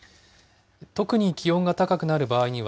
特に気温が高くなる場合には、